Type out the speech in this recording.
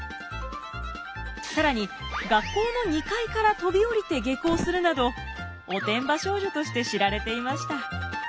更に学校の２階から飛び降りて下校するなどおてんば少女として知られていました。